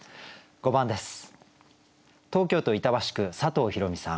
５番です。